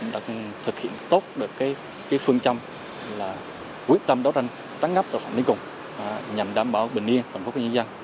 đã thực hiện tốt được cái phương châm là quyết tâm đấu tranh trắng ngắp đạo phạm đến cùng nhằm đảm bảo bình yên phản phúc với nhân dân